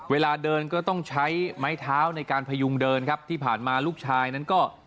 เวลาเดินก็ต้องใช้ไม้เท้าในการพยุงเดินครับที่ผ่านมาลูกชายนั้นก็